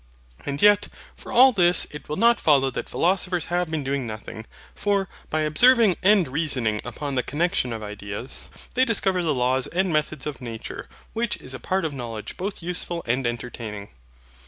And yet, for all this, it will not follow that philosophers have been doing nothing; for, by observing and reasoning upon the connexion of ideas, they discover the laws and methods of nature, which is a part of knowledge both useful and entertaining.